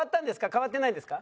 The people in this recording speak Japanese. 変わってないですか？